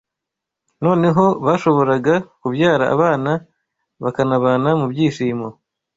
Noneho bashoboraga kubyara abana bakanabana mu byishimo